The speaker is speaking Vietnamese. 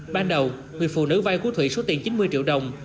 ban đầu người phụ nữ vay của thụy số tiền chín mươi triệu đồng